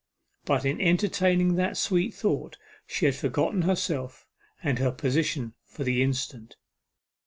But, in entertaining that sweet thought, she had forgotten herself, and her position for the instant.